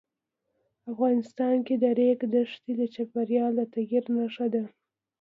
افغانستان کې د ریګ دښتې د چاپېریال د تغیر نښه ده.